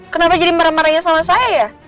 kenapa jadi marah marahnya sama saya ya